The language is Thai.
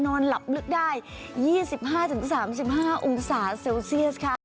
นอนหลับลึกได้๒๕๓๕องศาเซลเซียสค่ะ